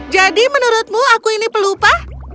jadi menurutmu aku ini pelupa